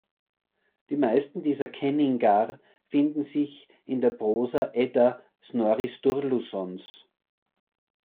Die meisten dieser Kenningar finden sich in der "Prosa-Edda" Snorri Sturlusons.